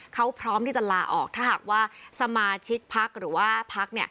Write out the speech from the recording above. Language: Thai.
เขาพร้อมที่จะลาออกถ้าหากว่าสมาชิกพักหรือว่าพัก